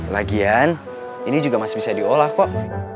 lagian ini juga masih bisa diolah kok